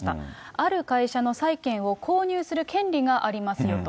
ある会社の債券を購入する権利がありますよと。